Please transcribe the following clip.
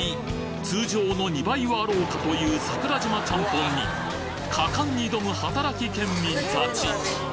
通常の２倍はあろうかという桜島ちゃんぽんに果敢に挑む働きケンミン達